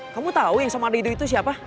kamu tahu yang sama adi dulu itu siapa